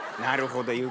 なるほど。